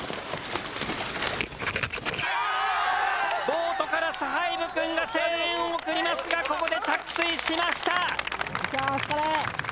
ボートからスハイブくんが声援を送りますがここで着水しました。